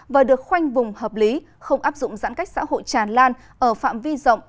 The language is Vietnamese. và được khoanh vùng hợp lý không áp dụng giãn cách xã hội tràn lan ở phạm vi rộng